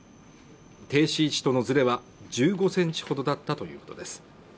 停止位置とのずれは１５センチほどだったということです。